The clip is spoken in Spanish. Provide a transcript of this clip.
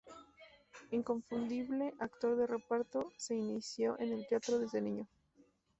Inconfundible actor de reparto, se inició en el teatro desde niño.